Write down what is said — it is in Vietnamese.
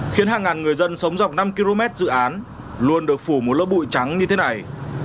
khiến hàng ngàn người dân sống dọc năm km dự án luôn được phủ một lớp bụi trắng như thế này